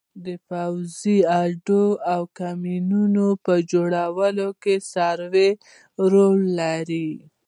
د پوځي اډو او کمینونو په جوړولو کې سروې رول لري